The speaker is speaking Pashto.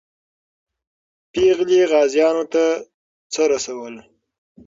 پېغلې غازیانو ته څه رسول؟